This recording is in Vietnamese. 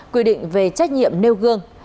quy định về trách nhiệm nêu gương